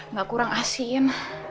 gak kurang asin